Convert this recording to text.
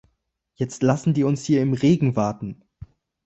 Jetzt lassen die uns hier im Regen warten.